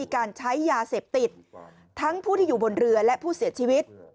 การใช้ยาเสพติดทั้งผู้ที่อยู่บนเรือและผู้เสียชีวิต